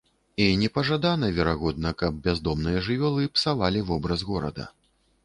І непажадана, верагодна, каб бяздомныя жывёлы псавалі вобраз горада.